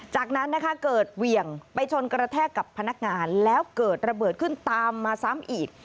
จากนั้นนะคะเกิดเหวี่ยงไปชนกระแทกกับพนักงานแล้วเกิดระเบิดขึ้นตามมาซ้ำอีก